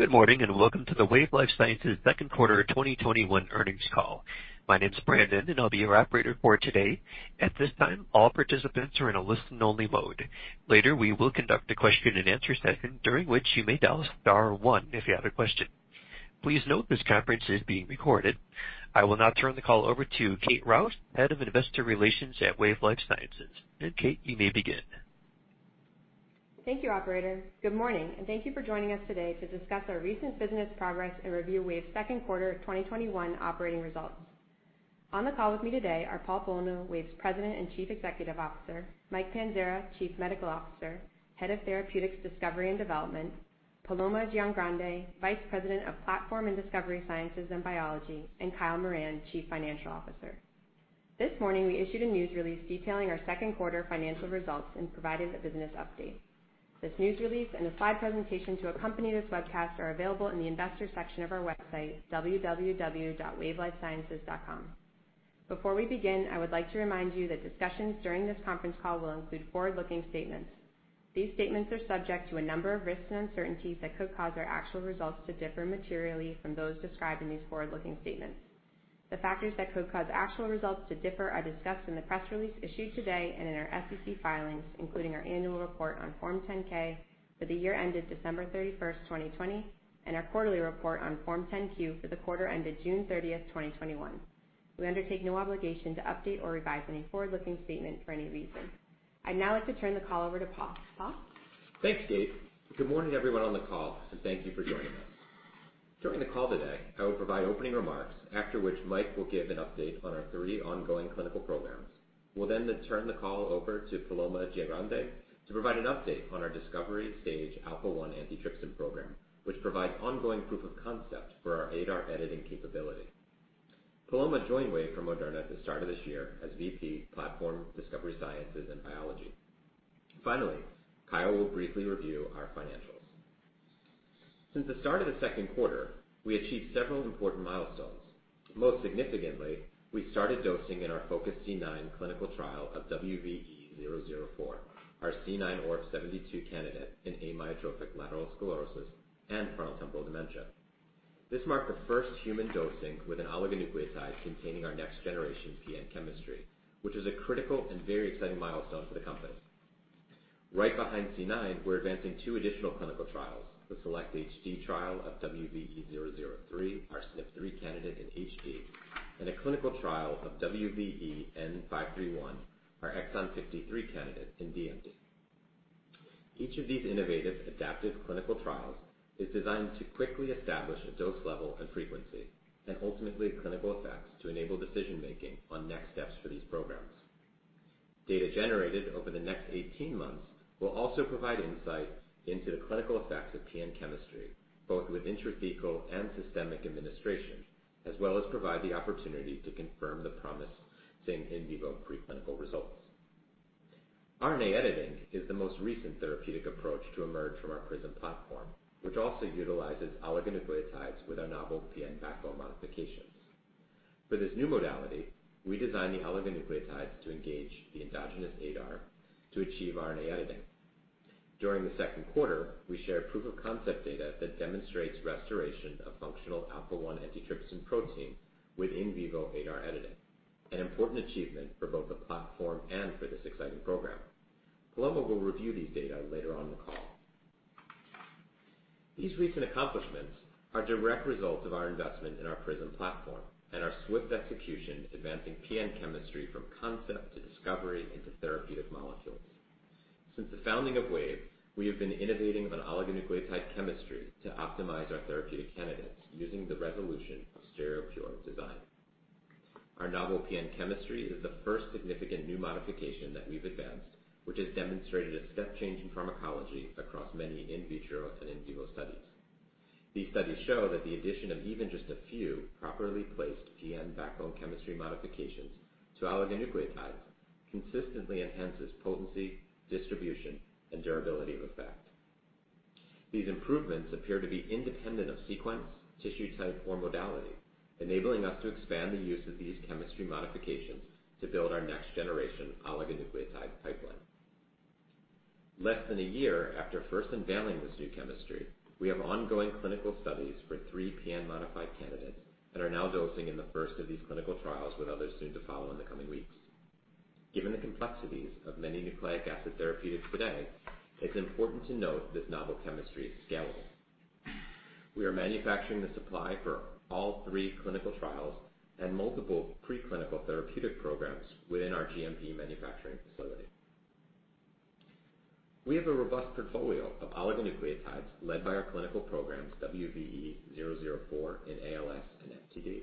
Good morning, welcome to the Wave Life Sciences Q2 2021 earnings call. My name's Brandon, and I'll be your operator for today. At this time, all participants are in a listen-only-mode. Later, we will conduct a question-and-answer session during which you may dial star one if you have a question. Please note this conference is being recorded. I will now turn the call over to Kate Rausch, Head of Investor Relations at Wave Life Sciences. Kate, you may begin. Thank you, operator. Good morning and thank you for joining us today to discuss our recent business progress and review Wave's Q2 2021 operating results. On the call with me today are Paul Bolno, Wave's President and Chief Executive Officer, Michael Panzara, Chief Medical Officer, Head of Therapeutics Discovery and Development, Paloma Giangrande, Vice President of Platform and Discovery Sciences and Biology, and Kyle Moran, Chief Financial Officer. This morning we issued a news release detailing our Q2 financial results and providing a business update. This news release and a slide presentation to accompany this webcast are available in the investors section of our website, www.wavelifesciences.com. Before we begin, I would like to remind you that discussions during this conference call will include forward-looking statements. These statements are subject to a number of risks and uncertainties that could cause our actual results to differ materially from those described in these forward-looking statements. The factors that could cause actual results to differ are discussed in the press release issued today and in our SEC filings, including our annual report on Form 10-K for the year ended December 31st, 2020, and our quarterly report on Form 10-Q for the quarter ended June 30th, 2021. We undertake no obligation to update or revise any forward-looking statement for any reason. I'd now like to turn the call over to Paul. Paul? Thanks, Kate. Good morning, everyone on the call, and thank you for joining us. During the call today, I will provide opening remarks, after which Mike will give an update on our three ongoing clinical programs. We'll then turn the call over to Paloma Giangrande to provide an update on our discovery stage alpha-1 antitrypsin program, which provides ongoing proof of concept for our ADAR editing capability. Paloma joined Wave from Moderna at the start of this year as VP, Platform Discovery Sciences and Biology. Finally, Kyle will briefly review our financials. Since the start of the Q2, we achieved several important milestones. Most significantly, we started dosing in our FOCUS-C9 clinical trial of WVE-004, our C9orf72 candidate in amyotrophic lateral sclerosis and frontotemporal dementia. This marked the first human dosing with an oligonucleotide containing our next generation PN chemistry, which is a critical and very exciting milestone for the company. Right behind C9, we're advancing two additional clinical trials, the SELECT-HD trial of WVE-003, our SNP3 candidate in HD, and a clinical trial of WVE-N531, our exon 53 candidate in DMD. Each of these innovative adaptive clinical trials is designed to quickly establish a dose level and frequency, and ultimately clinical effects to enable decision-making on next steps for these programs. Data generated over the next 18 months will also provide insight into the clinical effects of PN chemistry, both with intrathecal and systemic administration, as well as provide the opportunity to confirm the promising in vivo preclinical results. RNA editing is the most recent therapeutic approach to emerge from our PRISM platform, which also utilizes oligonucleotides with our novel PN backbone modifications. For this new modality, we design the oligonucleotides to engage the endogenous ADAR to achieve RNA editing. During the Q2, we shared proof of concept data that demonstrates restoration of functional alpha-1 antitrypsin protein with in vivo ADAR editing, an important achievement for both the platform and for this exciting program. Paloma will review these data later on in the call. These recent accomplishments are direct results of our investment in our PRISM platform and our swift execution advancing PN chemistry from concept to discovery into therapeutic molecules. Since the founding of Wave, we have been innovating of an oligonucleotide chemistry to optimize our therapeutic candidates using the resolution of StereoPure design. Our novel PN chemistry is the first significant new modification that we've advanced, which has demonstrated a step change in pharmacology across many in vitro and in vivo studies. These studies show that the addition of even just a few properly placed PN backbone chemistry modifications to oligonucleotides consistently enhances potency, distribution, and durability of effect. These improvements appear to be independent of sequence, tissue type, or modality, enabling us to expand the use of these chemistry modifications to build our next generation oligonucleotide pipeline. Less than a year after first unveiling this new chemistry, we have ongoing clinical studies for three PN-modified candidates that are now dosing in the first of these clinical trials with others soon to follow in the coming weeks. Given the complexities of many nucleic acid therapeutics today, it's important to note this novel chemistry is scalable. We are manufacturing the supply for all three clinical trials and multiple preclinical therapeutic programs within our GMP manufacturing facility. We have a robust portfolio of oligonucleotides led by our clinical programs WVE-004 in ALS and FTD,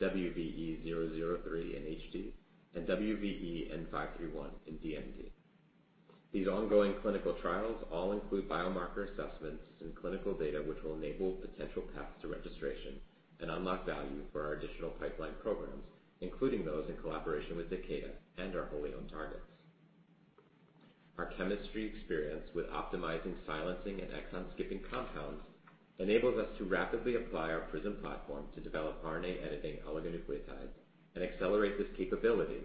WVE-003 in HD, and WVE-N531 in DMD. These ongoing clinical trials all include biomarker assessments and clinical data which will enable potential paths to registration and unlock value for our additional pipeline programs, including those in collaboration with Takeda and our wholly owned targets. Our chemistry experience with optimizing silencing and exon-skipping compounds enables us to rapidly apply our PRISM platform to develop RNA editing oligonucleotides and accelerate this capability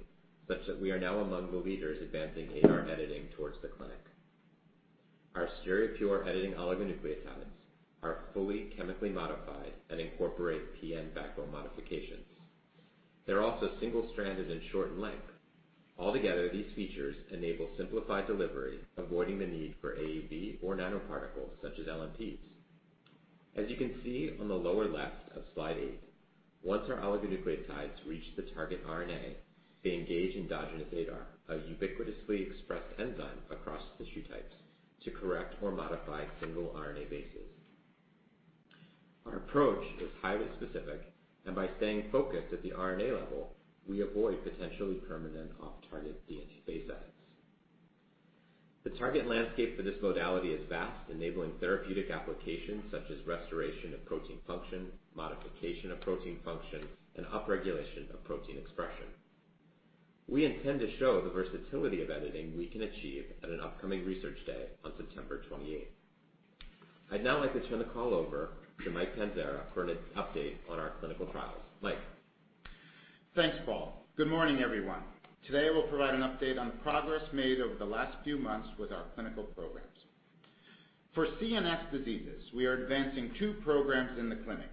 such that we are now among the leaders advancing ADAR editing towards the clinic. Our StereoPure editing oligonucleotides are fully chemically modified and incorporate PN backbone modifications. They're also single-stranded and short in length. Altogether, these features enable simplified delivery, avoiding the need for AAV or nanoparticles such as LNPs. As you can see on the lower left of slide eight, once our oligonucleotides reach the target RNA, they engage endogenous ADAR, a ubiquitously expressed enzyme across tissue types, to correct or modify single RNA bases. By staying focused at the RNA level, we avoid potentially permanent off-target DNA base edits. The target landscape for this modality is vast, enabling therapeutic applications such as restoration of protein function, modification of protein function, and upregulation of protein expression. We intend to show the versatility of editing we can achieve at an upcoming research day on September 28th. I'd now like to turn the call over to Mike Panzara for an update on our clinical trials. Mike? Thanks, Paul. Good morning, everyone. Today, we'll provide an update on the progress made over the last few months with our clinical programs. For CNS diseases, we are advancing two programs in the clinic,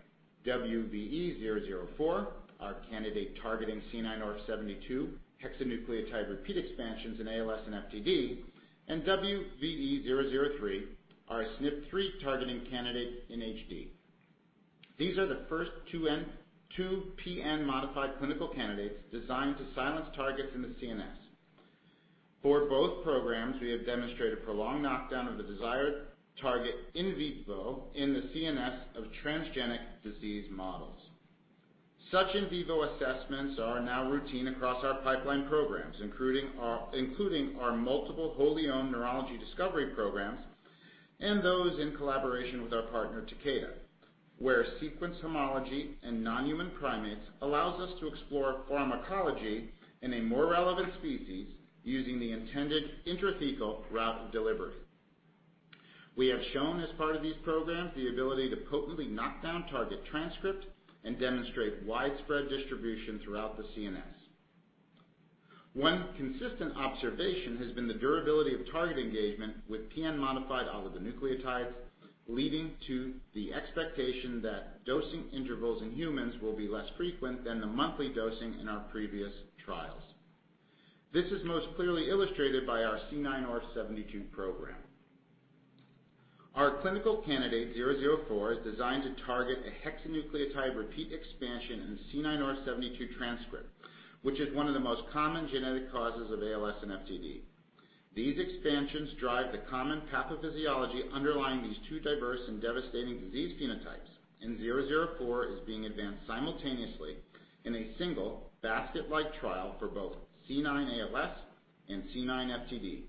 WVE-004, our candidate targeting C9orf72 hexanucleotide repeat expansions in ALS and FTD, and WVE-003, our SNP3 targeting candidate in HD. These are the first two PN-modified clinical candidates designed to silence targets in the CNS. For both programs, we have demonstrated prolonged knockdown of the desired target in vivo in the CNS of transgenic disease models. Such in vivo assessments are now routine across our pipeline programs, including our multiple wholly owned neurology discovery programs and those in collaboration with our partner, Takeda, where sequence homology in non-human primates allows us to explore pharmacology in a more relevant species using the intended intrathecal route of delivery. We have shown as part of these programs the ability to potently knock down target transcript and demonstrate widespread distribution throughout the CNS. One consistent observation has been the durability of target engagement with PN-modified oligonucleotides, leading to the expectation that dosing intervals in humans will be less frequent than the monthly dosing in our previous trials. This is most clearly illustrated by our C9orf72 Program. Our clinical candidate, WVE-004, is designed to target a hexanucleotide repeat expansion in C9orf72 transcript, which is one of the most common genetic causes of ALS and FTD. These expansions drive the common pathophysiology underlying these two diverse and devastating disease phenotypes, and WVE-004 is being advanced simultaneously in a single basket-like trial for both C9 ALS and C9 FTD.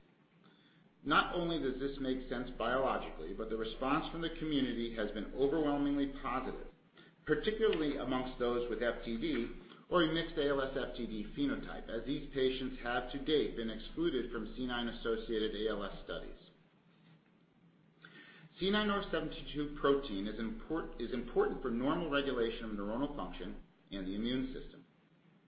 This makes sense biologically, but the response from the community has been overwhelmingly positive, particularly amongst those with FTD or a mixed ALS/FTD phenotype, as these patients have to date been excluded from C9-associated ALS studies. C9orf72 protein is important for normal regulation of neuronal function and the immune system.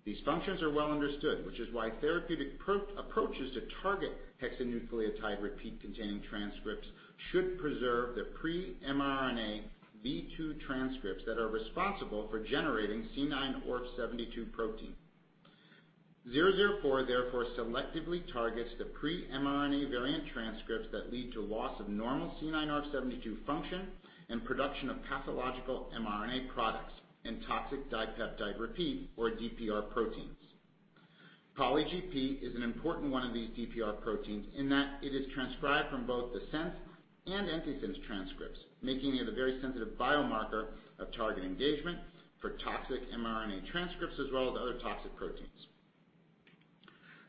These functions are well understood, which is why therapeutic approaches to target hexanucleotide repeat-containing transcripts should preserve the pre-mRNA V2 transcripts that are responsible for generating C9orf72 protein. 004 therefore selectively targets the pre-mRNA variant transcripts that lead to loss of normal C9orf72 function and production of pathological mRNA products and toxic dipeptide repeats or DPR proteins. poly-GP is an important one of these DPR proteins in that it is transcribed from both the sense and antisense transcripts, making it a very sensitive biomarker of target engagement for toxic mRNA transcripts as well as other toxic proteins.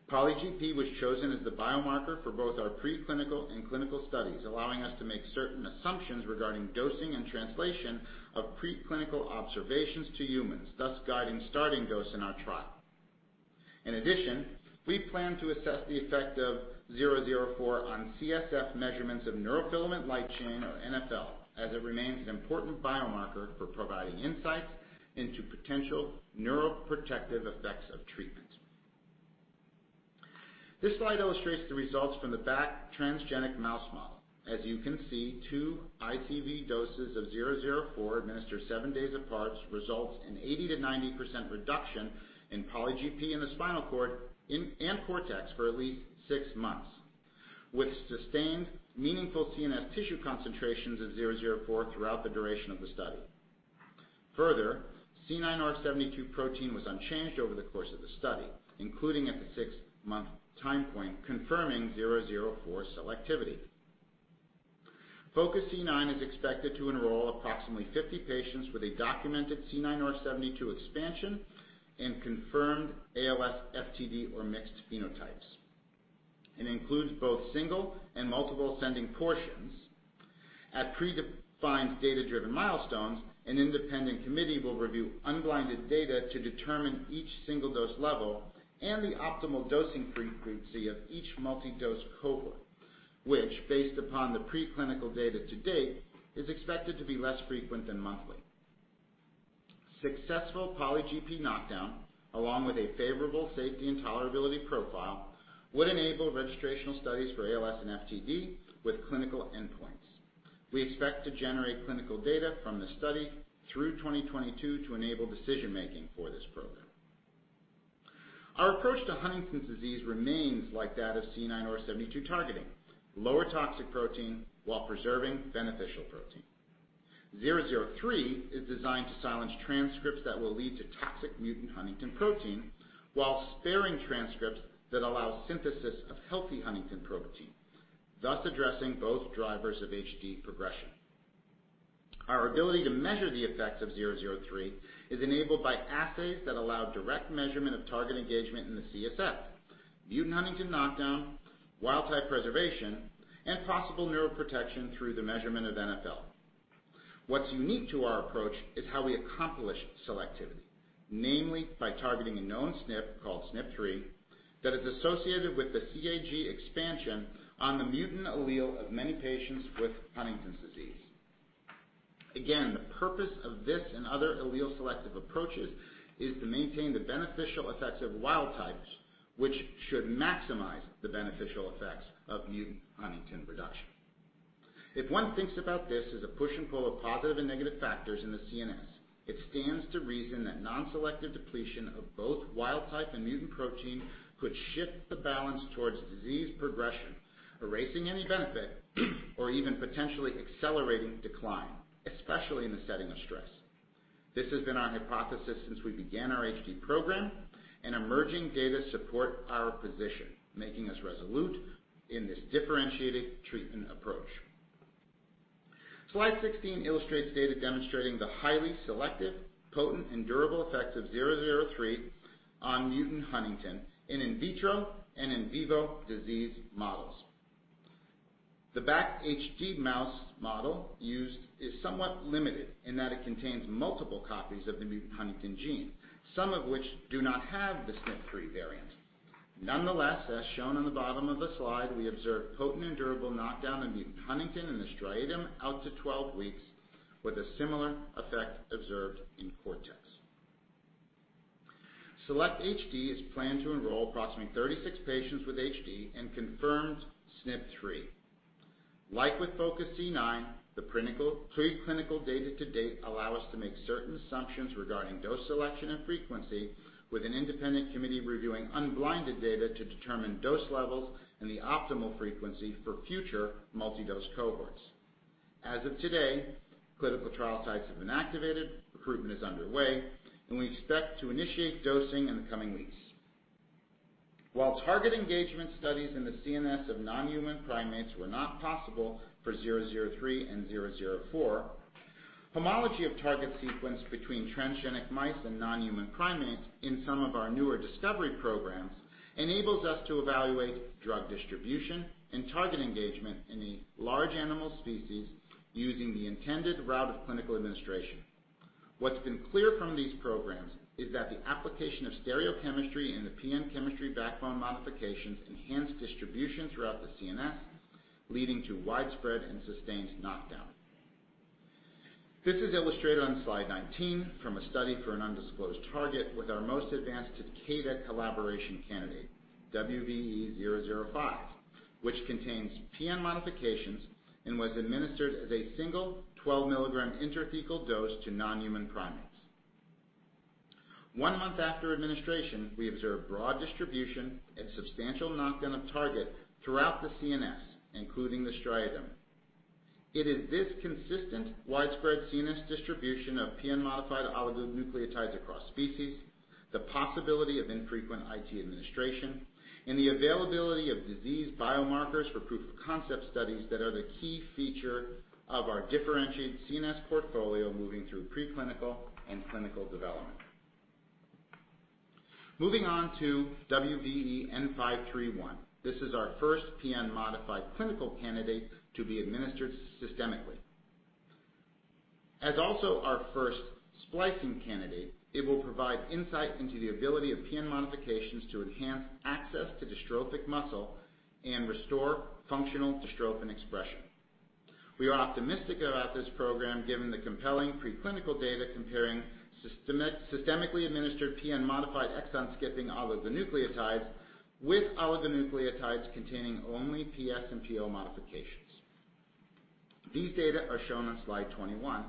Poly-GP was chosen as the biomarker for both our preclinical and clinical studies, allowing us to make certain assumptions regarding dosing and translation of preclinical observations to humans, thus guiding starting dose in our trial. In addition, we plan to assess the effect of 004 on CSF measurements of neurofilament light chain or NfL, as it remains an important biomarker for providing insights into potential neuroprotective effects of treatment. This slide illustrates the results from the BAC transgenic mouse model. As you can see, two I.C.V doses of 004 administered seven days apart result in 80%-90% reduction in Poly-GP in the spinal cord and cortex for at least six months, with sustained meaningful CNS tissue concentrations of 004 throughout the duration of the study. Further, C9orf72 protein was unchanged over the course of the study, including at the six-month time point, confirming 004 selectivity. FOCUS-C9 is expected to enroll approximately 50 patients with a documented C9orf72 expansion and confirmed ALS, FTD, or mixed phenotypes, and includes both single and multiple ascending portions. At predefined data-driven milestones, an independent committee will review unblinded data to determine each single-dose level and the optimal dosing frequency of each multi-dose cohort, which, based upon the preclinical data to date, is expected to be less frequent than monthly. Successful poly-GP knockdown, along with a favorable safety and tolerability profile, would enable registrational studies for ALS and FTD with clinical endpoints. We expect to generate clinical data from the study through 2022 to enable decision-making for this program. Our approach to Huntington's disease remains like that of C9orf72 targeting, lower toxic protein while preserving beneficial protein. 003 is designed to silence transcripts that will lead to toxic mutant huntingtin protein, while sparing transcripts that allow synthesis of healthy huntingtin protein, thus addressing both drivers of HD progression. Our ability to measure the effects of 003 is enabled by assays that allow direct measurement of target engagement in the CSF, mutant huntingtin knockdown, wild type preservation, and possible neuroprotection through the measurement of NfL. What's unique to our approach is how we accomplish selectivity, namely by targeting a known SNP called SNP3 that is associated with the CAG expansion on the mutant allele of many patients with Huntington's disease. Again, the purpose of this and other allele-selective approaches is to maintain the beneficial effects of wild types, which should maximize the beneficial effects of mutant huntingtin reduction. If one thinks about this as a push and pull of positive and negative factors in the CNS, it stands to reason that non-selective depletion of both wild type and mutant protein could shift the balance towards disease progression, erasing any benefit or even potentially accelerating decline, especially in the setting of stress. This has been our hypothesis since we began our HD program, and emerging data support our position, making us resolute in this differentiated treatment approach. Slide 16 illustrates data demonstrating the highly selective, potent, and durable effects of 003 on mutant huntingtin in in vitro and in vivo disease models. The BAC HD mouse model used is somewhat limited in that it contains multiple copies of the mutant huntingtin gene, some of which do not have the SNP3 variant. Nonetheless, as shown on the bottom of the slide, we observed potent and durable knockdown in mutant huntingtin in the striatum out to 12 weeks, with a similar effect observed in cortex. SELECT-HD is planned to enroll approximately 36 patients with HD and confirmed SNP3. With FOCUS-C9, the preclinical data to date allow us to make certain assumptions regarding dose selection and frequency, with an independent committee reviewing unblinded data to determine dose levels and the optimal frequency for future multi-dose cohorts. As of today, clinical trial sites have been activated, recruitment is underway, and we expect to initiate dosing in the coming weeks. While target engagement studies in the CNS of non-human primates were not possible for 003 and 004, homology of target sequence between transgenic mice and non-human primates in some of our newer discovery programs enables us to evaluate drug distribution and target engagement in a large animal species using the intended route of clinical administration. What's been clear from these programs is that the application of stereochemistry in the PN chemistry backbone modifications enhance distribution throughout the CNS, leading to widespread and sustained knockdown. This is illustrated on slide 19 from a study for an undisclosed target with our most advanced Takeda collaboration candidate, WVE-005, which contains PN modifications and was administered as a single 12 mg intrathecal dose to non-human primates. One month after administration, we observed broad distribution and substantial knockdown of target throughout the CNS, including the striatum. It is this consistent, widespread CNS distribution of PN-modified oligonucleotides across species, the possibility of infrequent IT administration, and the availability of disease biomarkers for proof-of-concept studies that are the key feature of our differentiated CNS portfolio moving through preclinical and clinical development. Moving on to WVE-N531. This is our first PN-modified clinical candidate to be administered systemically. As also our first splicing candidate, it will provide insight into the ability of PN-modifications to enhance access to dystrophic muscle and restore functional dystrophin expression. We are optimistic about this program given the compelling preclinical data comparing systemically administered PN-modified exon-skipping oligonucleotides with oligonucleotides containing only PS and PO modifications. These data are shown on slide 21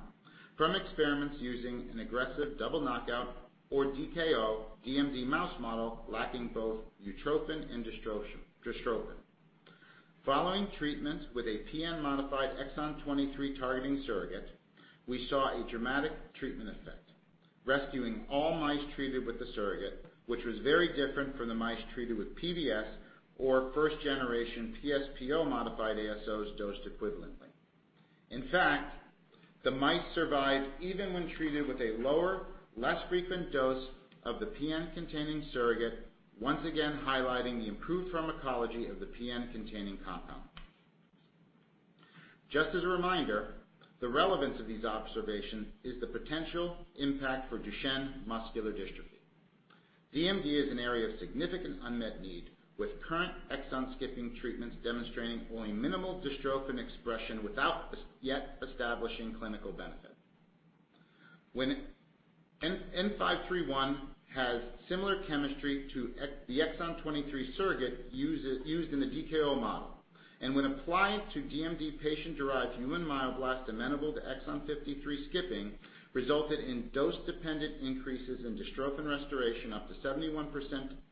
from experiments using an aggressive double knockout or DKO DMD mouse model lacking both utrophin and dystrophin. Following treatment with a PN-modified exon 23 targeting surrogate, we saw a dramatic treatment effect, rescuing all mice treated with the surrogate, which was very different from the mice treated with PBS or first-generation PS/PO-modified ASOs dosed equivalently. In fact, the mice survived even when treated with a lower, less frequent dose of the PN-containing surrogate, once again highlighting the improved pharmacology of the PN-containing compound. Just as a reminder, the relevance of these observations is the potential impact for Duchenne muscular dystrophy. DMD is an area of significant unmet need, with current exon-skipping treatments demonstrating only minimal dystrophin expression without yet establishing clinical benefit. WVE-N531 has similar chemistry to the exon 23 surrogate used in the DKO model, and when applied to DMD patient-derived human myoblasts amenable to exon 53 skipping, resulted in dose-dependent increases in dystrophin restoration, up to 71%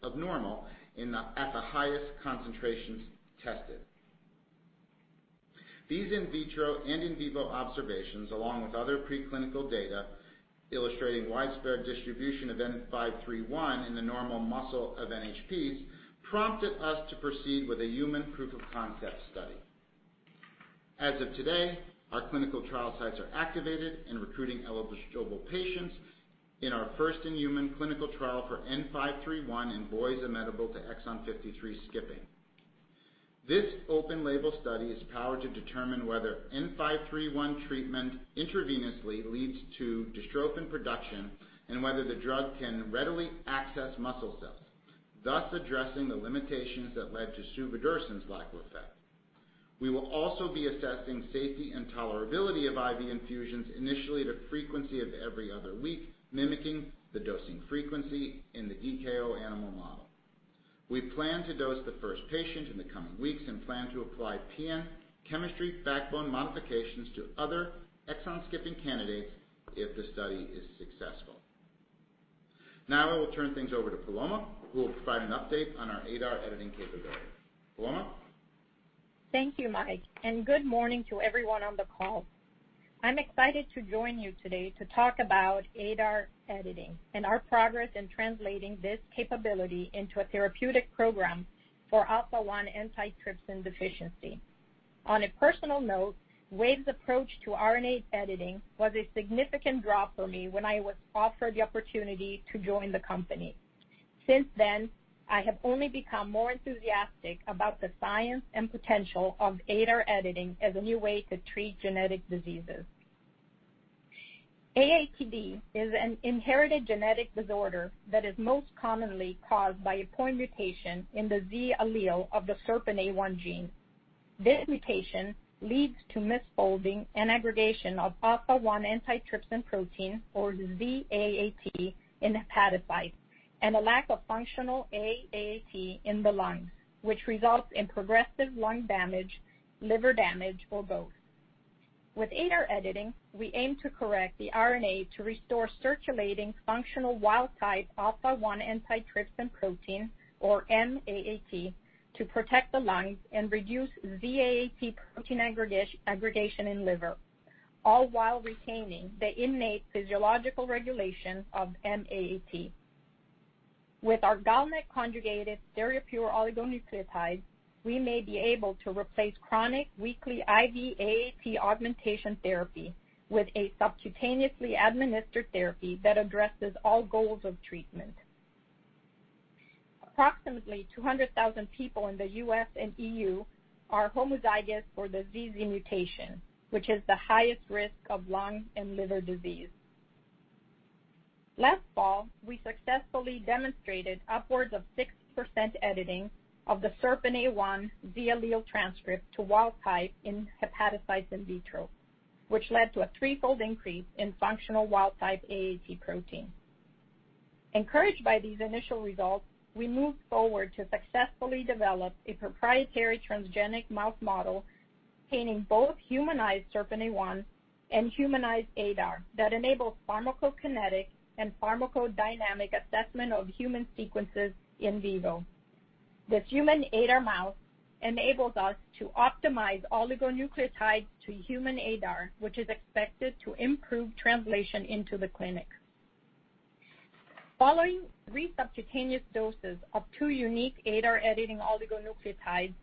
of normal at the highest concentrations tested. These in vitro and in vivo observations, along with other preclinical data illustrating widespread distribution of N-531 in the normal muscle of NHPs, prompted us to proceed with a human proof of concept study. As of today, our clinical trial sites are activated and recruiting eligible patients in our first-in-human clinical trial for N-531 in boys amenable to exon 53 skipping. This open label study is powered to determine whether N-531 treatment intravenously leads to dystrophin production and whether the drug can readily access muscle cells, thus addressing the limitations that led to suvodirsen's lack of effect. We will also be assessing safety and tolerability of IV infusions, initially at a frequency of every other week, mimicking the dosing frequency in the DKO animal model. We plan to dose the first patient in the coming weeks and plan to apply PN chemistry backbone modifications to other exon-skipping candidates if the study is successful. Now I will turn things over to Paloma, who will provide an update on our ADAR editing capabilities. Paloma? Thank you, Mike, and good morning to everyone on the call. I'm excited to join you today to talk about ADAR editing and our progress in translating this capability into a therapeutic program for alpha-1 antitrypsin deficiency. On a personal note, Wave's approach to RNA editing was a significant draw for me when I was offered the opportunity to join the company. Since then, I have only become more enthusiastic about the science and potential of ADAR editing as a new way to treat genetic diseases. AATD is an inherited genetic disorder that is most commonly caused by a point mutation in the Z allele of the SERPINA1 gene. This mutation leads to misfolding and aggregation of alpha-1 antitrypsin protein, or ZAAT, in hepatocytes, and a lack of functional AAT in the lungs, which results in progressive lung damage, liver damage, or both. With ADAR editing, we aim to correct the RNA to restore circulating functional wild type alpha-1 antitrypsin protein, or MAAT, to protect the lungs and reduce ZAAT protein aggregation in liver, all while retaining the innate physiological regulation of MAAT. With our GalNAc conjugated StereoPure oligonucleotides, we may be able to replace chronic weekly IV AAT augmentation therapy with a subcutaneously administered therapy that addresses all goals of treatment. Approximately 200,000 people in the US and EU are homozygous for the ZZ mutation, which is the highest risk of lung and liver disease. Last fall, we successfully demonstrated upwards of 6% editing of the SERPINA1 Z allele transcript to wild type in hepatocytes in vitro, which led to a threefold increase in functional wild type AAT protein. Encouraged by these initial results, we moved forward to successfully develop a proprietary transgenic mouse model containing both humanized SERPINA1 and humanized ADAR that enables pharmacokinetic and pharmacodynamic assessment of human sequences in vivo. This human ADAR mouse enables us to optimize oligonucleotides to human ADAR, which is expected to improve translation into the clinic. Following three subcutaneous doses of two unique ADAR editing oligonucleotides,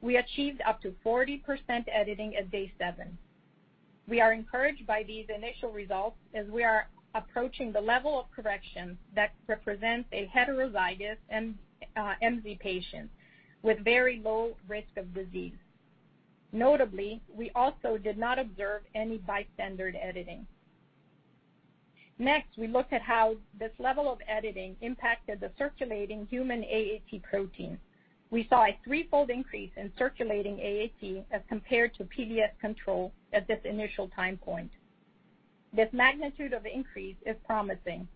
we achieved up to 40% editing at day seven. We are encouraged by these initial results, as we are approaching the level of correction that represents a heterozygous MZ patient with very low risk of disease. Notably, we also did not observe any bystander editing. We looked at how this level of editing impacted the circulating human AAT protein. We saw a threefold increase in circulating AAT as compared to PBS control at this initial time point. This magnitude of increase is promising,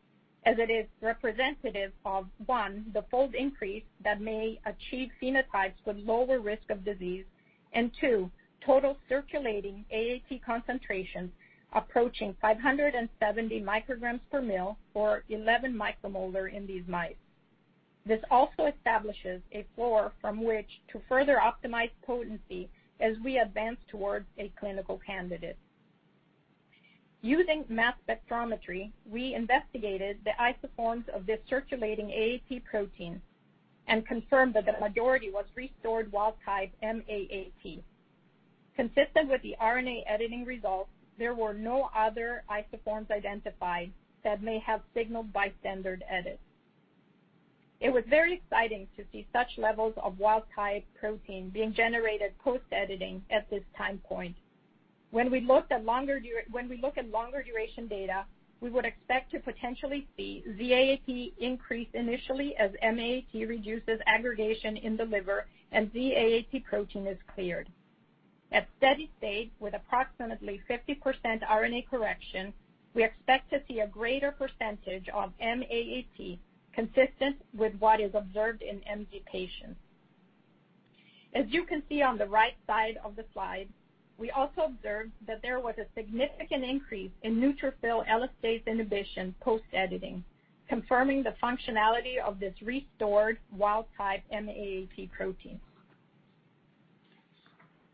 as it is representative of, one, the fold increase that may achieve phenotypes with lower risk of disease, and two, total circulating AAT concentrations approaching 570 micrograms/mL, or 11 micromolar in these mice. This also establishes a floor from which to further optimize potency as we advance towards a clinical candidate. Using mass spectrometry, we investigated the isoforms of this circulating AAT protein and confirmed that the majority was restored wild type MAAT. Consistent with the RNA editing results, there were no other isoforms identified that may have signaled bystander edits. It was very exciting to see such levels of wild type protein being generated post-editing at this time point. When we look at longer duration data, we would expect to potentially see ZAAT increase initially as MAAT reduces aggregation in the liver and ZAAT protein is cleared. At steady state, with approximately 50% RNA correction, we expect to see a greater percentage of MAAT consistent with what is observed in MZ patients. As you can see on the right side of the slide, we also observed that there was a significant increase in neutrophil elastase inhibition post-editing, confirming the functionality of this restored wild type of MAAT protein.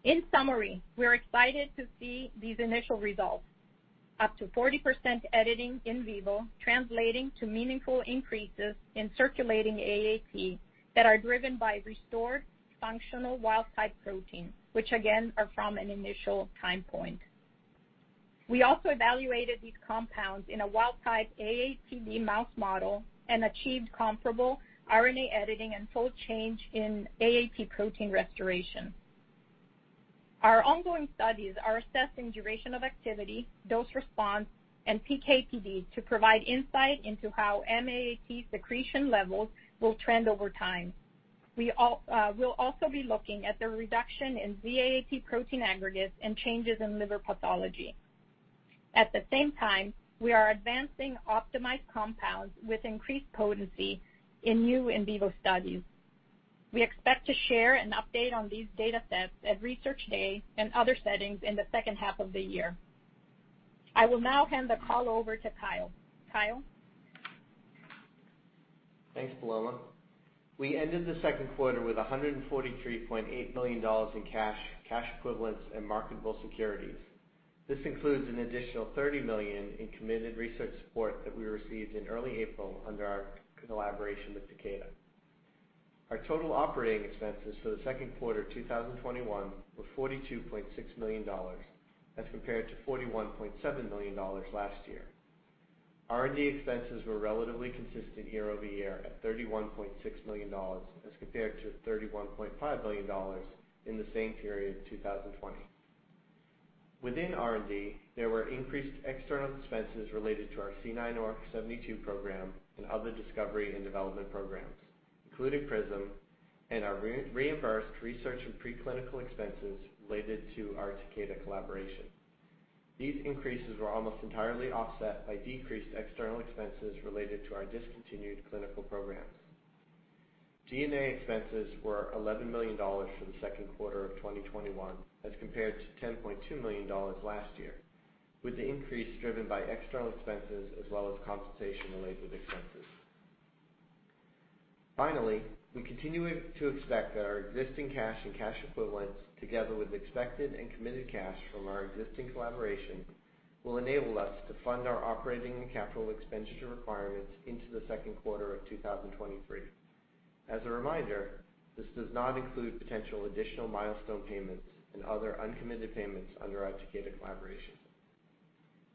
In summary, we're excited to see these initial results, up to 40% editing in vivo translating to meaningful increases in circulating AAT that are driven by restored functional wild type protein, which again, are from an initial time point. We also evaluated these compounds in a wild type AATD mouse model and achieved comparable RNA editing and fold change in AAT protein restoration. Our ongoing studies are assessing duration of activity, dose response, and PK/PD to provide insight into how MAAT secretion levels will trend over time. We'll also be looking at the reduction in ZAAT protein aggregates and changes in liver pathology. At the same time, we are advancing optimized compounds with increased potency in new in vivo studies. We expect to share an update on these data sets at Research Day and other settings in the H2 of the year. I will now hand the call over to Kyle. Kyle? Thanks, Paloma. We ended the Q2 with $143.8 million in cash equivalents, and marketable securities. This includes an additional $30 million in committed research support that we received in early April under our collaboration with Takeda. Our total operating expenses for the Q2 2021 were $42.6 million as compared to $41.7 million last year. R&D expenses were relatively consistent year-over-year at $31.6 million as compared to $31.5 million in the same period, 2020. Within R&D, there were increased external expenses related to our C9orf72 program and other discovery and development programs, including PRISM and our reimbursed research and preclinical expenses related to our Takeda collaboration. These increases were almost entirely offset by decreased external expenses related to our discontinued clinical programs. G&A expenses were $11 million for the Q2 of 2021 as compared to $10.2 million last year, with the increase driven by external expenses as well as compensation-related expenses. Finally, we continue to expect that our existing cash and cash equivalents, together with expected and committed cash from our existing collaboration, will enable us to fund our operating and capital expenditure requirements into the Q2 of 2023. As a reminder, this does not include potential additional milestone payments and other uncommitted payments under our Takeda collaboration.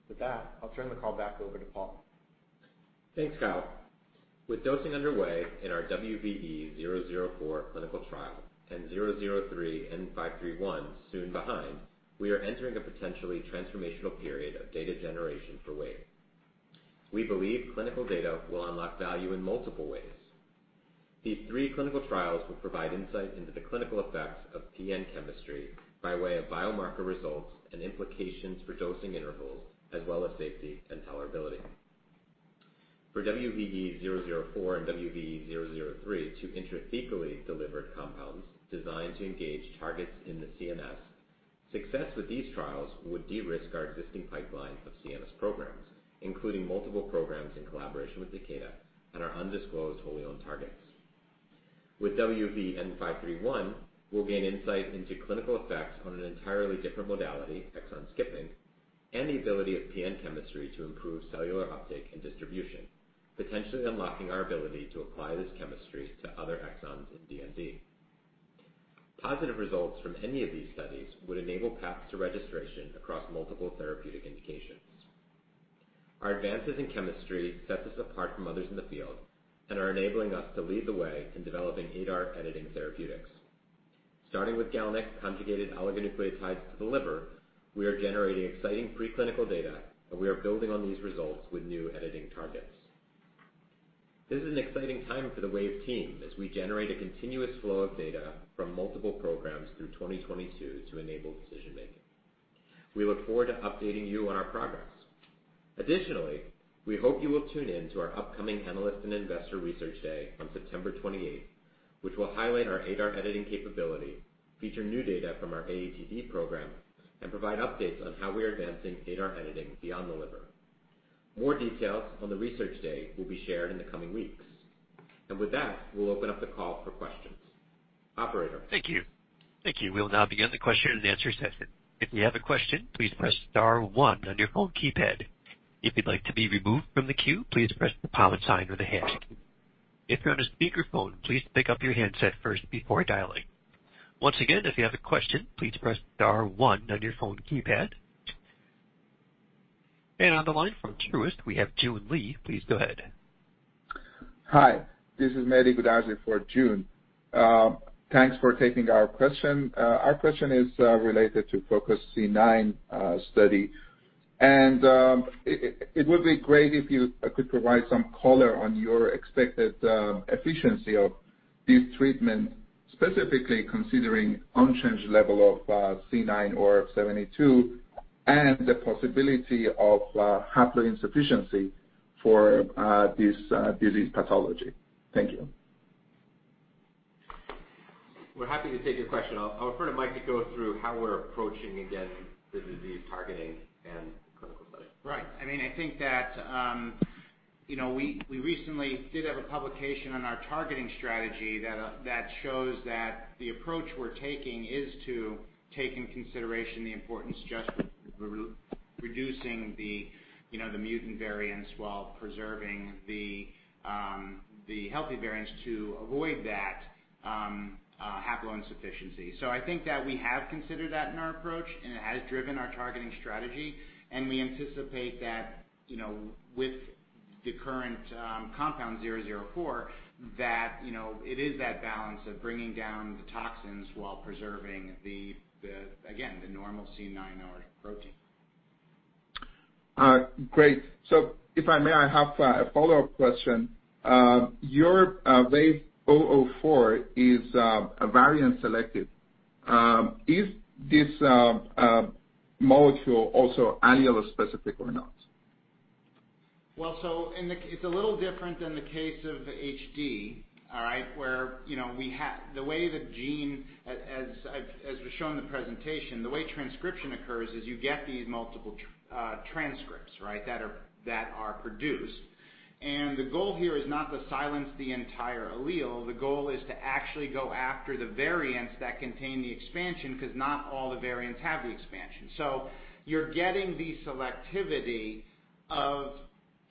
With that, I'll turn the call back over to Paul. Thanks, Kyle. With dosing underway in our WVE-004 clinical trial and 003 N531 soon behind, we are entering a potentially transformational period of data generation for Wave. We believe clinical data will unlock value in multiple ways. These three clinical trials will provide insight into the clinical effects of PN chemistry by way of biomarker results and implications for dosing intervals, as well as safety and tolerability. For WVE-004 and WVE-003, two intrathecally delivered compounds designed to engage targets in the CNS, success with these trials would de-risk our existing pipeline of CNS programs, including multiple programs in collaboration with Takeda and our undisclosed wholly owned targets. With WVE-N531, we'll gain insight into clinical effects on an entirely different modality, exon skipping, and the ability of PN chemistry to improve cellular uptake and distribution, potentially unlocking our ability to apply this chemistry to other exons in DMD. Positive results from any of these studies would enable paths to registration across multiple therapeutic indications. Our advances in chemistry set us apart from others in the field and are enabling us to lead the way in developing ADAR editing therapeutics. Starting with GalNAc conjugated oligonucleotides to the liver, we are generating exciting preclinical data, and we are building on these results with new editing targets. This is an exciting time for the Wave team as we generate a continuous flow of data from multiple programs through 2022 to enable decision-making. We look forward to updating you on our progress. Additionally, we hope you will tune in to our upcoming Analyst and Investor Research Day on September 28th, which will highlight our ADAR editing capability, feature new data from our AATD program, and provide updates on how we are advancing ADAR editing beyond the liver. More details on the research day will be shared in the coming weeks. With that, we'll open up the call for questions. Operator? Thank you. Thank you. We will now begin the question-and-answer session. If you have a question, please press star one on your phone keypad. If you'd like to be removed from the queue, please press the pound sign or the hash key. If you're on a speakerphone, please pick up your handset first before dialing. Once again, if you have a question, please press star one on your phone keypad. On the line from Truist, we have Joon Lee. Please go ahead. Hi. This is Mary Budazi for Joon Lee. Thanks for taking our question. Our question is related to FOCUS-C9 study. It would be great if you could provide some color on your expected efficiency of these treatments, specifically considering unchanged level of C9orf72 and the possibility of haploinsufficiency for this disease pathology. Thank you. We're happy to take your question. I'll refer to Mike to go through how we're approaching, again, the disease targeting and clinical study. Right. I think that we recently did have a publication on our targeting strategy that shows that the approach we're taking is to take in consideration the importance reducing the mutant variants while preserving the healthy variants to avoid that haploinsufficiency. I think that we have considered that in our approach, and it has driven our targeting strategy. We anticipate that with the current compound 004, that it is that balance of bringing down the toxins while preserving, again, the normal C9orf protein. Great. If I may, I have a follow-up question. Your WVE-004 is variant selective. Is this molecule also allele-specific or not? It's a little different than the case of HD, all right, where the way the gene, as was shown in the presentation, the way transcription occurs is you get these multiple transcripts that are produced. The goal here is not to silence the entire allele. The goal is to actually go after the variants that contain the expansion, because not all the variants have the expansion. You're getting the selectivity of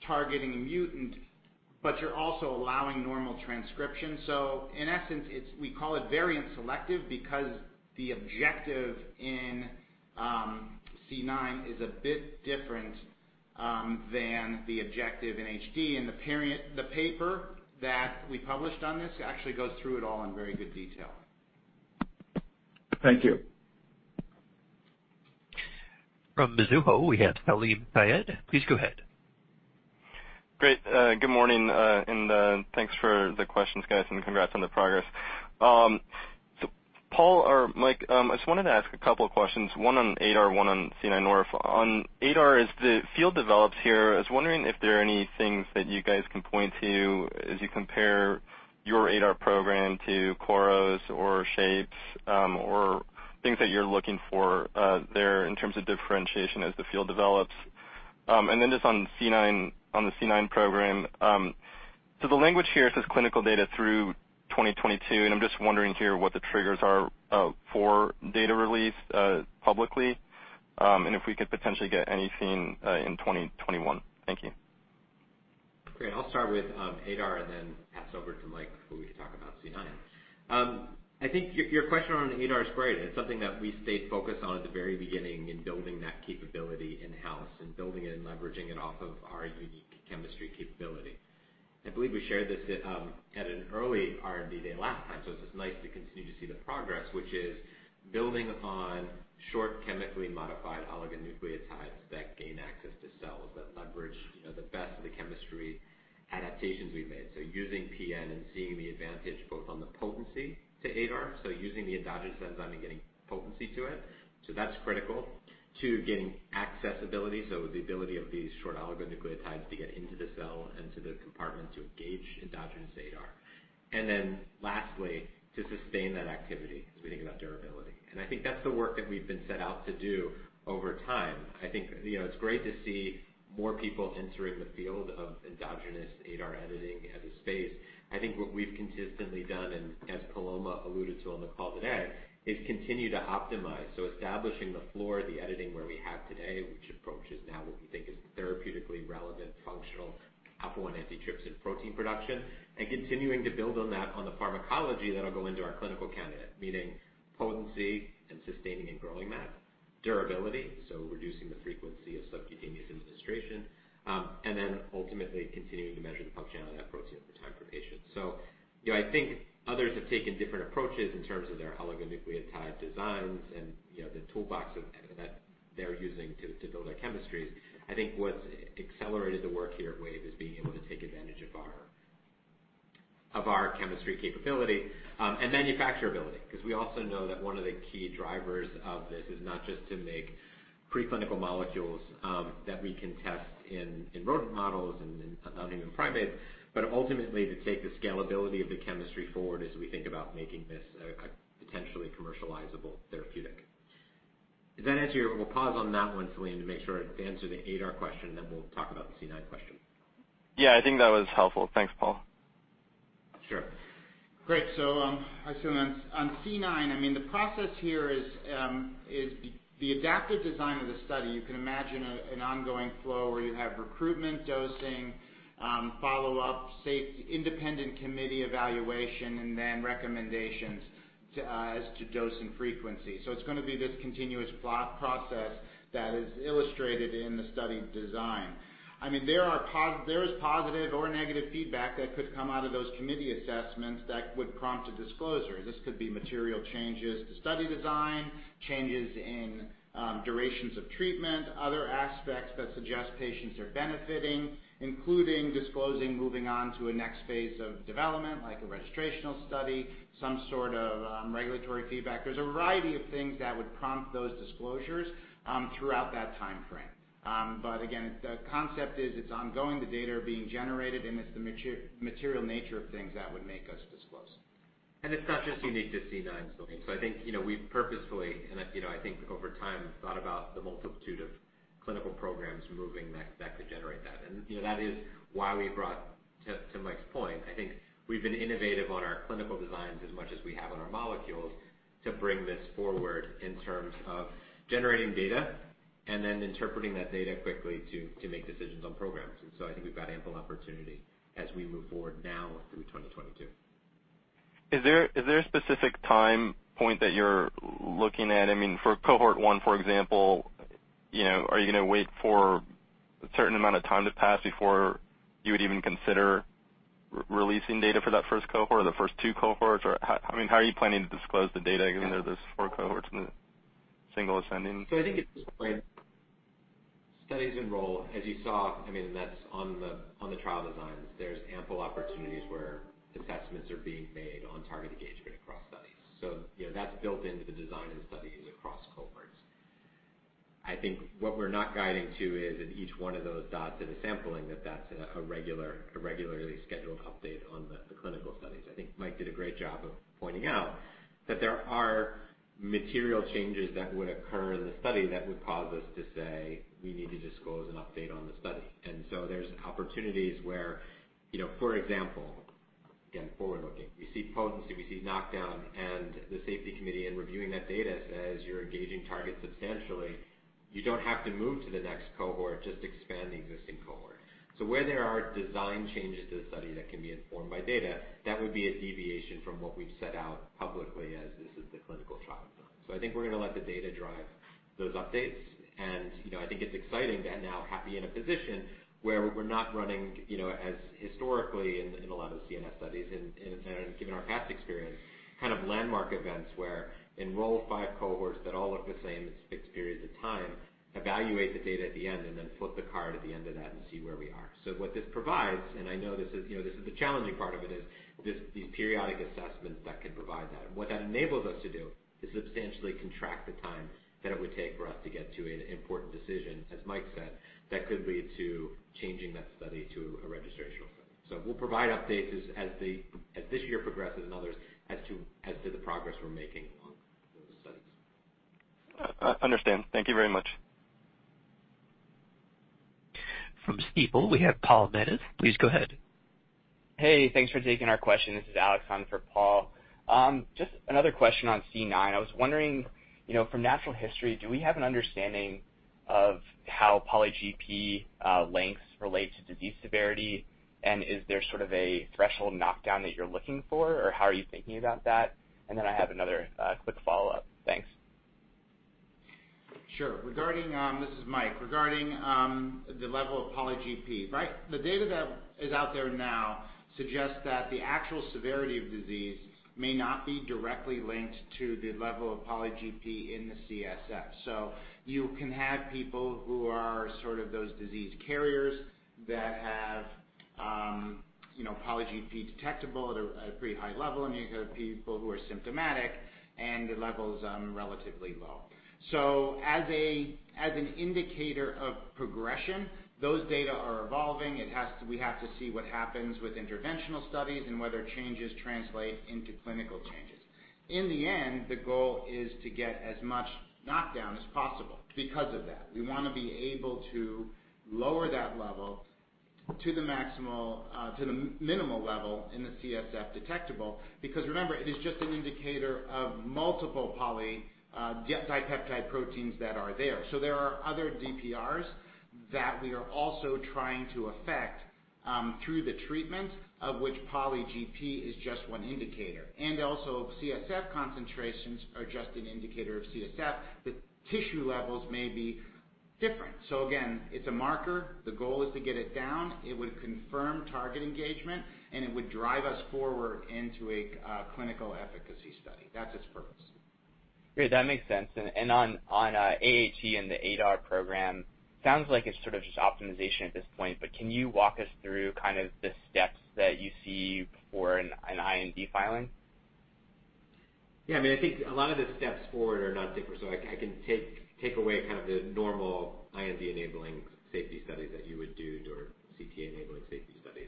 targeting a mutant, but you're also allowing normal transcription. In essence, we call it variant selective because the objective in C9 is a bit different than the objective in HD. The paper that we published on this actually goes through it all in very good detail. Thank you. From Mizuho, we have Salim Syed. Please go ahead. Great. Good morning, and thanks for the questions, guys, and congrats on the progress. Paul or Mike, I just wanted to ask a couple of questions, one on ADAR, one on C9orf. On ADAR, as the field develops here, I was wondering if there are any things that you guys can point to as you compare your ADAR program to Korro or Shape, or things that you're looking for there in terms of differentiation as the field develops. Just on the C9 program. The language here says clinical data through 2022, and I'm just wondering here what the triggers are for data release publicly, and if we could potentially get anything in 2021. Thank you. Great. I'll start with ADAR and then pass over to Mike, who will talk about C9. I think your question on ADAR is great, and it's something that we stayed focused on at the very beginning in building that capability in-house and building it and leveraging it off of our unique chemistry capability. I believe we shared this at an early R&D Day last time, so it's just nice to continue to see the progress, which is building on short, chemically modified oligonucleotides that gain access to cells, that leverage the best of the chemistry adaptations we've made. Using PN and seeing the advantage both on the potency to ADAR, so using the endogenous enzyme and getting potency to it. That's critical to getting accessibility, so the ability of these short oligonucleotides to get into the cell and to the compartment to engage endogenous ADAR. Lastly, to sustain that activity as we think about durability. I think that's the work that we've been set out to do over time. I think it's great to see more people entering the field of endogenous ADAR editing as a space. What we've consistently done, and as Paloma alluded to on the call today, is continuing to optimize. Establishing the floor, the editing where we have today, which approaches now what we think is therapeutically relevant, functional alpha-1 antitrypsin protein production, and continuing to build on that on the pharmacology that'll go into our clinical candidate, meaning potency and sustaining and growing that. Durability, reducing the frequency of subcutaneous administration. Ultimately continuing to measure the functionality of that protein over time for patients. I think others have taken different approaches in terms of their oligonucleotide designs and the toolbox that they're using to build their chemistries. I think what's accelerated the work here at Wave is being able to take advantage of our chemistry capability and manufacturability, because we also know that one of the key drivers of this is not just to make preclinical molecules that we can test in rodent models and Non-Human Primates, but ultimately to take the scalability of the chemistry forward as we think about making this a potentially commercializable therapeutic. We'll pause on that one, Salim, to make sure to answer the ADAR question, then we'll talk about the C9 question. Yeah, I think that was helpful. Thanks, Paul. Sure. Great. I assume on C9, the process here is the adaptive design of the study. You can imagine an ongoing flow where you have recruitment, dosing, follow-up, safety, independent committee evaluation, and then recommendations as to dose and frequency. It's going to be this continuous process that is illustrated in the study design. There is positive or negative feedback that could come out of those committee assessments that would prompt a disclosure. This could be material changes to study design, changes in durations of treatment, other aspects that suggest patients are benefiting, including disclosing moving on to a next phase of development, like a registrational study, some sort of regulatory feedback. There's a variety of things that would prompt those disclosures throughout that time frame. Again, the concept is its ongoing, the data are being generated, and it's the material nature of things that would make us disclose. It's not just unique to C9, Salim. I think we've purposefully, and I think over time, thought about the multitude of clinical programs moving that could generate that. That is why we brought, to Mike's point, I think we've been innovative on our clinical designs as much as we have on our molecules to bring this forward in terms of generating data and then interpreting that data quickly to make decisions on programs. I think we've got ample opportunity as we move forward now through 2022. Is there a specific time point that you're looking at? For cohort one, for example, are you going to wait for a certain amount of time to pass before you would even consider releasing data for that first cohort or the first two cohorts? How are you planning to disclose the data, given there are those four cohorts in the single ascending? I think it's displayed. Studies enroll, as you saw, and that's on the trial designs. There are ample opportunities where assessments are being made on target engagement across studies. That's built into the design of the studies across cohorts. I think what we're not guiding to is that each one of those dots is a sampling, that that's a regularly scheduled update on the clinical studies. I think Mike did a great job of pointing out that there are material changes that would occur in the study that would cause us to say, "We need to disclose an update on the study." There are opportunities where, for example, again, forward-looking, we see potency, we see knockdown, and the safety committee in reviewing that data says, "You're engaging targets substantially. You don't have to move to the next cohort, just expand the existing cohort. Where there are design changes to the study that can be informed by data, that would be a deviation from what we've set out publicly as this is the clinical trial design. I think we're going to let the data drive those updates, and I think it's exciting to now be in a position where we're not running as historically in a lot of the CNS studies and given our past experience, kind of landmark events where enroll five cohorts that all look the same at fixed periods of time, evaluate the data at the end, and then flip the card at the end of that and see where we are. What this provides, and I know this is the challenging part of it, is these periodic assessments that can provide that. What that enables us to do is substantially contract the time that it would take for us to get to an important decision, as Mike said, that could lead to changing that study to a registrational study. We'll provide updates as this year progresses and others as to the progress we're making on those studies. Understand. Thank you very much. From Stifel, we have Paul Matteis. Please go ahead. Hey, thanks for taking our question. This is Alex on for Paul. Another question on C9. I was wondering, from natural history, do we have an understanding of how poly-GP lengths relate to disease severity? Is there sort of a threshold knockdown that you're looking for, or how are you thinking about that? I have another quick follow-up. Thanks. Sure. This is Mike. Regarding the level of poly-GP, the data that is out there now suggests that the actual severity of disease may not be directly linked to the level of poly-GP in the CSF. You can have people who are sort of those disease carriers that have poly-GP detectable at a pretty high level, and you can have people who are symptomatic and the level's relatively low. As an indicator of progression, those data are evolving. We have to see what happens with interventional studies and whether changes translate into clinical changes. In the end, the goal is to get as much knockdown as possible because of that. We want to be able to lower that level to the minimal level in the CSF detectable, because remember, it is just an indicator of multiple polypeptide proteins that are there. There are other DPRs that we are also trying to affect through the treatment, of which poly-GP is just one indicator. Also, CSF concentrations are just an indicator of CSF. The tissue levels may be different. Again, it's a marker. The goal is to get it down. It would confirm target engagement, and it would drive us forward into a clinical efficacy study. That's its purpose. Great. That makes sense. On AAT and the ADAR program, sounds like it's sort of just optimization at this point, but can you walk us through kind of the steps that you see for an IND filing? Yeah, I think a lot of the steps forward are not different. I can take away kind of the normal IND-enabling safety studies that you would do, your CTA-enabling safety studies.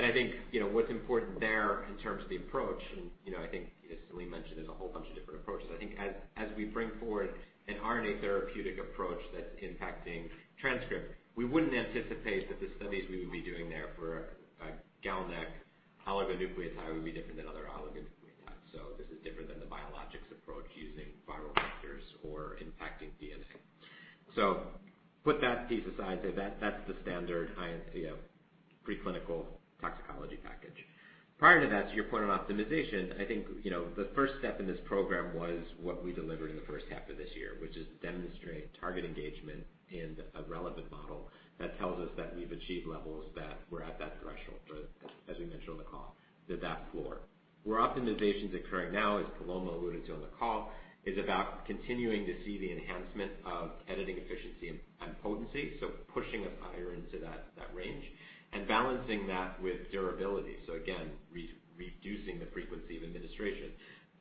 I think what's important there in terms of the approach, and I think as Salim mentioned, there's a whole bunch of different approaches. I think as we bring forward an RNA therapeutic approach that's impacting transcript, we wouldn't anticipate that the studies we would be doing there for a GalNAc oligonucleotide would be different than other oligonucleotides. This is different than the biologics approach using viral vectors or impacting DNA. Put that piece aside, that's the standard high preclinical toxicology package. Prior to that, to your point on optimization, I think, the first step in this program was what we delivered in the H1 of this year, which is demonstrate target engagement in a relevant model that tells us that we've achieved levels that were at that threshold, or as we mentioned on the call, to that floor. Where optimization's occurring now, as Paloma alluded to on the call, is about continuing to see the enhancement of editing efficiency and potency, so pushing us higher into that range and balancing that with durability. Again, reducing the frequency of administration.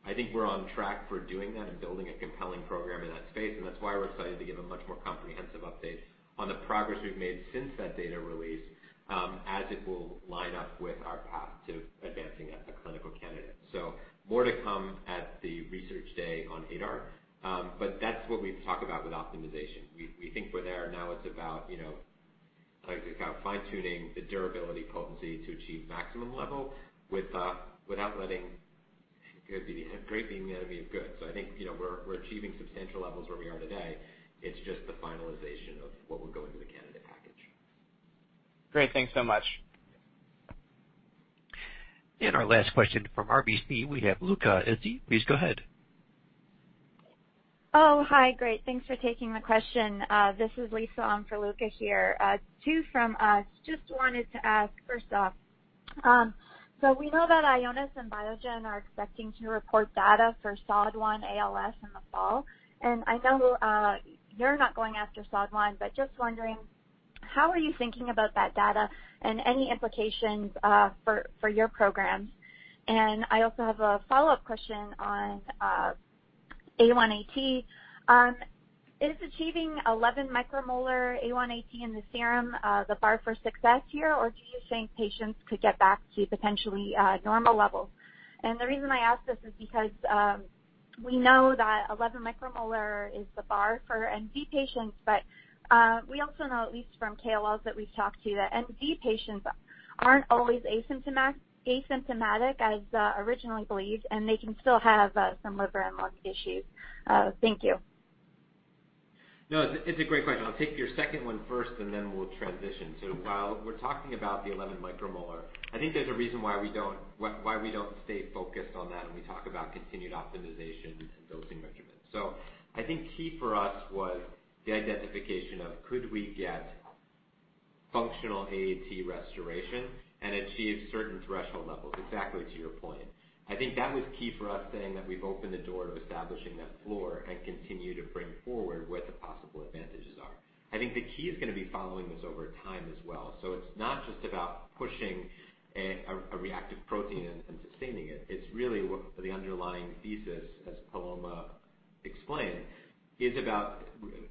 I think we're on track for doing that and building a compelling program in that space, and that's why we're excited to give a much more comprehensive update on the progress we've made since that data release, as it will line up with our path to advancing a clinical candidate. More to come at the research day on ADAR. That's what we talk about with optimization. We think we're there now. It's about fine-tuning the durability potency to achieve maximum level without letting great being the enemy of good. I think we're achieving substantial levels where we are today. It's just the finalization of what will go into the candidate package. Great. Thanks so much. Our last question from RBC, we have Luca. Luca, please go ahead. Oh, hi. Great. Thanks for taking the question. This is Lisa in for Luca here. Two from us. I wanted to ask first off; we know that Ionis and Biogen are expecting to report data for SOD1 ALS in the fall. I know you're not going after SOD1, but just wondering, how are you thinking about that data and any implications for your programs? I also have a follow-up question on A1AT. Is achieving 11 micromolar A1AT in the serum the bar for success here, or do you think patients could get back to potentially normal levels? The reason I ask this is because we know that 11 micromolar is the bar for MZ patients, but we also know, at least from KOLs that we've talked to, that MZ patients aren't always asymptomatic as originally believed, and they can still have some liver and lung issues. Thank you. No, it's a great question. I'll take your second one first. We'll transition. While we're talking about the 11 micromolar, I think there's a reason why we don't stay focused on that. We talk about continued optimization and dosing regimens. I think key for us was the identification of could we get functional AAT restoration and achieve certain threshold levels, exactly to your point. I think that was key for us, saying that we've opened the door to establishing that floor and continue to bring forward what the possible advantages are. I think the key is going to be following this over time as well. It's not just about pushing a reactive protein and sustaining it. It's really what the underlying thesis, as Paloma explained, is about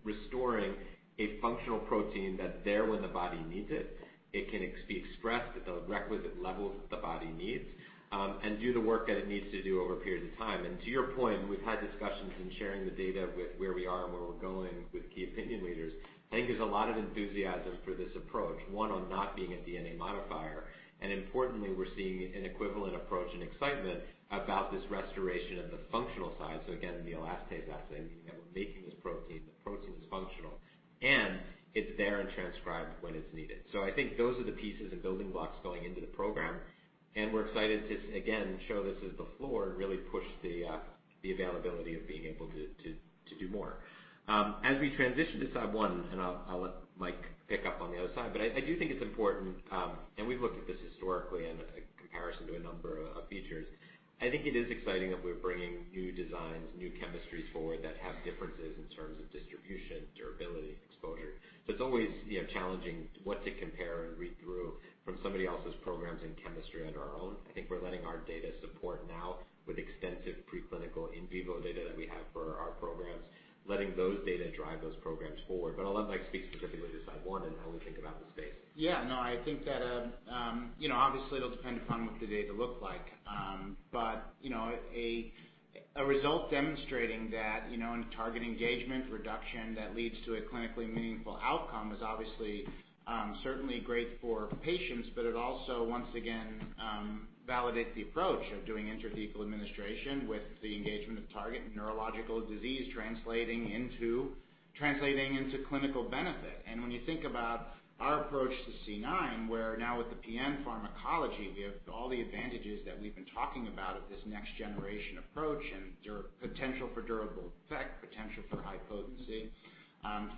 restoring a functional protein that's there when the body needs it. It can be expressed at the requisite levels that the body needs and do the work that it needs to do over periods of time. To your point, we've had discussions in sharing the data with where we are and where we're going with Key Opinion Leaders. I think there's a lot of enthusiasm for this approach. One, on not being a DNA modifier, and importantly, we're seeing an equivalent approach and excitement about this restoration of the functional side. Again, the elastase assay, meaning that we're making this protein, the protein is functional, and it's there and transcribed when it's needed. I think those are the pieces and building blocks going into the program, and we're excited to, again, show this as the floor and really push the availability of being able to do more. As we transition to SOD1, and I'll let Mike pick up on the other side, but I do think it's important, and we've looked at this historically in comparison to a number of features. I think it is exciting that we're bringing new designs, new chemistries forward that have differences in terms of distribution, durability, exposure. It's always challenging what to compare and read through from somebody else's programs in chemistry on our own. I think we're letting our data support now with extensive preclinical in vivo data that we have for our programs, letting those data drive those programs forward. I'll let Mike speak specifically to SOD1 and how we think about the space. Yeah. I think that obviously it'll depend upon what the data look like. A result demonstrating that in target engagement reduction that leads to a clinically meaningful outcome is obviously certainly great for patients, but it also, once again, validates the approach of doing intrathecal administration with the engagement of target in neurological disease translating into clinical benefit. When you think about our approach to C9, where now with the PN pharmacology, we have all the advantages that we've been talking about of this next-generation approach and potential for durable effect, potential for high potency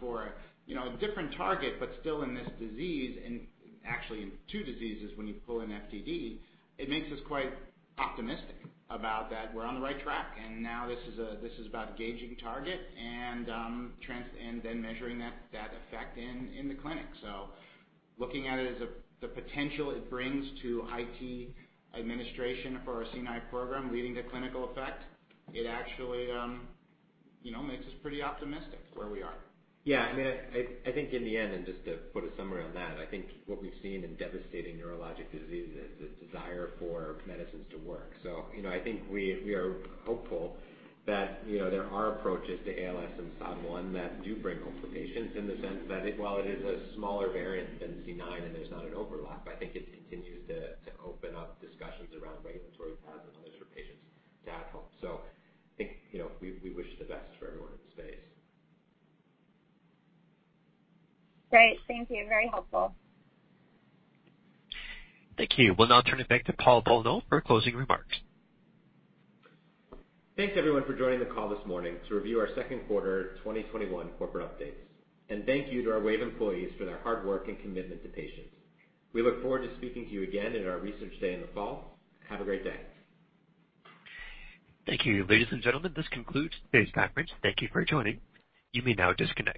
for a different target, but still in this disease, and actually in two diseases when you pull in FTD, it makes us quite optimistic about that we're on the right track, and now this is about engaging target and then measuring that effect in the clinic. Looking at it as the potential it brings to intrathecal administration for our C9 program leading to clinical effect, it actually makes us pretty optimistic where we are. Yeah. I think in the end, and just to put a summary on that, I think what we've seen in devastating neurologic diseases is the desire for medicines to work. I think we are hopeful that there are approaches to ALS and SOD1 that do bring hope for patients in the sense that while it is a smaller variant than C9 and there's not an overlap, I think it continues to open up discussions around regulatory pathways and others for patients to have hope. I think we wish the best for everyone in the space. Great. Thank you. Very helpful. Thank you. We'll now turn it back to Paul Bolno for closing remarks. Thanks, everyone, for joining the call this morning to review our Q2 2021 corporate updates. Thank you to our Wave employees for their hard work and commitment to patients. We look forward to speaking to you again at our research day in the fall. Have a great day. Thank you. Ladies and gentlemen, this concludes today's conference. Thank you for joining. You may now disconnect.